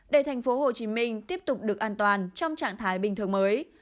để thành phố hồ chí minh tiếp tục được an toàn trong trạng thái bình thường mới